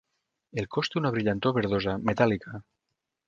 El cos té una brillantor verdosa, metàl·lica.